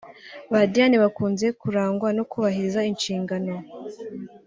Ba Diane bakunze kurangwa no kubahiriza inshingano